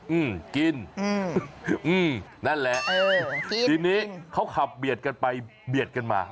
อืมกินอืมอืมนั่นแหละเออทีนี้เขาขับเบียดกันไปเบียดกันมา